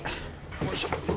よいしょ。